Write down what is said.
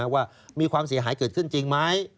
ว่ามีความเสียหายเกิดขึ้นจริงไหม